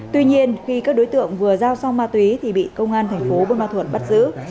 tuy nhiên khi các đối tượng vừa giao xong ma túy thì bị công an thành phố bôn ma thuột bắt giữ